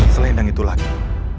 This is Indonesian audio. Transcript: selain yang itu lagi